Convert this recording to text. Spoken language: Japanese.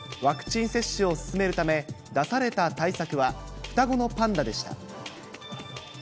ワクチン接種を進めるため、出された対策は、双子のパンダでした。